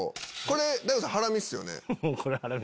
これハラミっすよね？